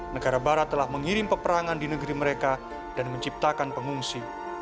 negara barat telah mengirim peperangan di negeri mereka dan menciptakan pengungsi